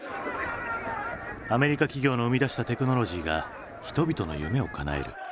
アメリカ企業の生み出したテクノロジーが人々の夢をかなえる。